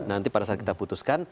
nanti pada saat kita putuskan